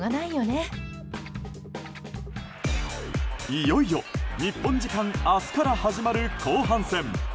いよいよ日本時間明日から始まる後半戦。